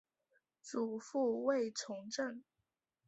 祖父卫从政。